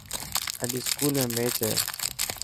اڄ اسڪول ۾ ميچ هي.